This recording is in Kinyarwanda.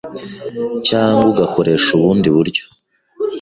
cyangwa ugakoresha ubundi buryo